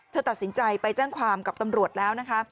เธอตัดสินใจไปแจ้งความกับตำรวจแล้วนะคะ